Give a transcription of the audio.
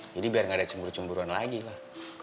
jadi biar gak ada cemburu cemburuan lagi lah